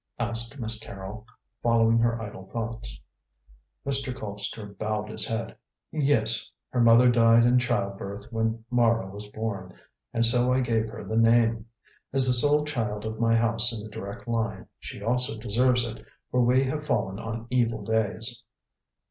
asked Miss Carrol, following her idle thoughts. Mr. Colpster bowed his head. "Yes. Her mother died in child birth when Mara was born, and so I gave her the name. As the sole child of my house in the direct line, she also deserves it, for we have fallen on evil days."